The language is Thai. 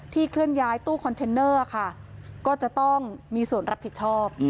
เคลื่อนย้ายตู้คอนเทนเนอร์ค่ะก็จะต้องมีส่วนรับผิดชอบ